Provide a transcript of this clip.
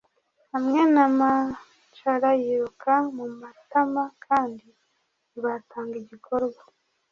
hamwe na mascara yiruka mu matama kandi ntibatanga igikoma .